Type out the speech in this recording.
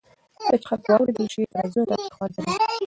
کله چې خلک واورېدل شي، اعتراضونه تاوتریخوالي ته نه ځي.